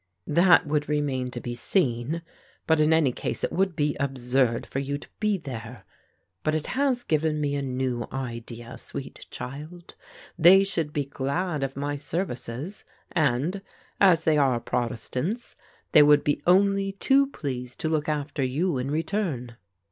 "That would remain to be seen, but in any case it would be absurd for you to be there. But it has given me a new idea, sweet child. They would be glad of my services; and, as they are protestants, they would be only too pleased to look after you in return."